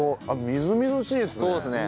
みずみずしいですね。